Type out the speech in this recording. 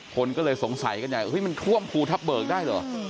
คนก็เลยสงสัยกันใหญ่มันท่วมภูทับเบิกได้เหรอ